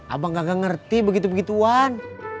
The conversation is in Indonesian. abang gak ngerti begitu begituan